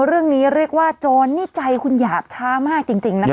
เรื่องนี้เรียกว่าโจรนี่ใจคุณหยาบช้ามากจริงนะคะ